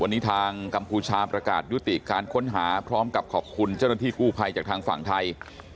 วันนี้ทางกัมพูชาประกาศยุติการค้นหาพร้อมกับขอบคุณเจ้าหน้าที่กู้ภัยจากทางฝั่งไทย